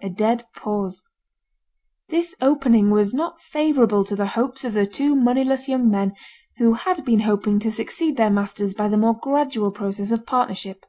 A dead pause. This opening was not favourable to the hopes of the two moneyless young men who had been hoping to succeed their masters by the more gradual process of partnership.